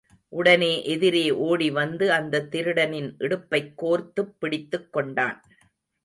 உடனே எதிரே ஓடி வந்து, அந்தத் திருடனின் இடுப்பைக் கோர்த்துப் பிடித்துக் கொண்டான்.